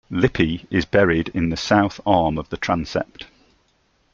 Lippi is buried in the south arm of the transept.